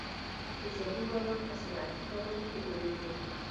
تیزابي باران په صنعتي ښارونو کې اوریږي.